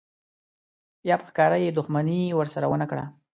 یا په ښکاره یې دښمني ورسره ونه کړه.